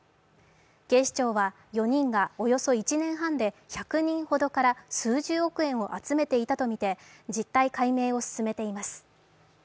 警視庁は、４人がおよそ１年半で１００人ほどから数十億円を集めていたとみて、実態解明を進めています。